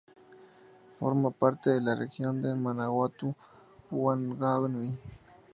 Forma parte de la Región de Manawatu-Wanganui.